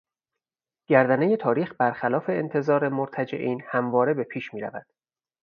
گردنهٔ تاریخ بر خلاف انتظار مرتجعین همواره به پیش میرود.